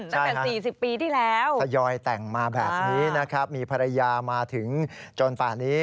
ใช่ค่ะถ้าย้อยแต่งมาแบบนี้นะครับมีภรรยามาถึงจนฝ่านี้